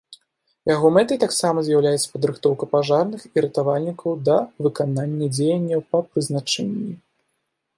Яго мэтай таксама з'яўляецца падрыхтоўка пажарных і ратавальнікаў да выканання дзеянняў па прызначэнні.